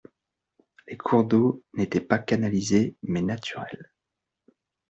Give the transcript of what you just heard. Les cours d’eaux n’étaient pas canalisés mais naturels.